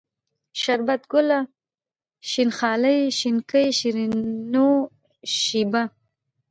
شربت گله ، شين خالۍ ، شينکۍ ، شيرينو ، شېبه